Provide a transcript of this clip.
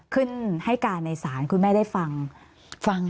ขึ้นให้การในศาลคุณแม่ได้ฟัง